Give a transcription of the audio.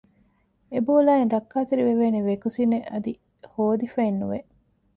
އެބޯލާއިން ރައްކާތެރިވެވޭނެ ވެކުސިނެއް އަދި ހޯދިފައެއް ނުވެ